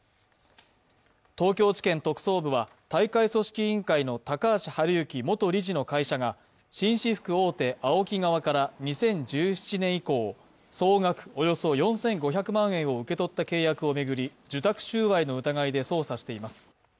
東京地検特捜部は大会組織委員会の高橋治之元理事の会社が、紳士服大手ＡＯＫＩ側から２０１７年以降、総額およそ４５００万円を受け取った契約を巡り、受託収賄の疑いで捜査しています。